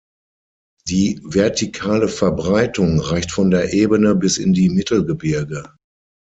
Die vertikale Verbreitung reicht von der Ebene bis in die Mittelgebirge.